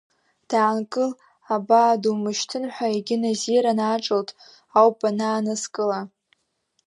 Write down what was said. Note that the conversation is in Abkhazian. Даанкыл, абаа, думышьҭын ҳәа Егьи Назира анааҿылҭ ауп банааныскыла…